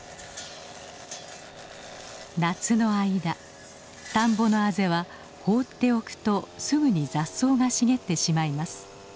夏の間田んぼのあぜは放っておくとすぐに雑草が茂ってしまいます。